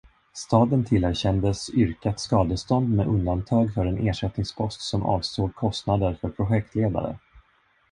Staden tillerkändes yrkat skadestånd med undantag för en ersättningspost som avsåg kostnader för projektledare.